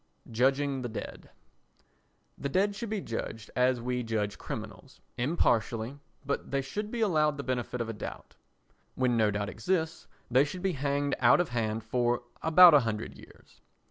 Judging the Dead The dead should be judged as we judge criminals, impartially, but they should be allowed the benefit of a doubt. When no doubt exists they should be hanged out of hand for about a hundred years.